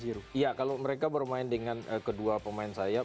iya kalau mereka bermain dengan kedua pemain sayap